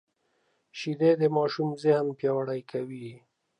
شیدې د ماشوم ذهن پیاوړی کوي